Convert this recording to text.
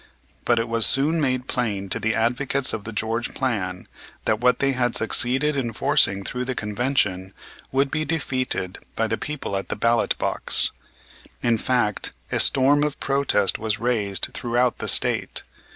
But it was soon made plain to the advocates of the George plan that what they had succeeded in forcing through the Convention would be defeated by the people at the ballot box. In fact, a storm of protest was raised throughout the State.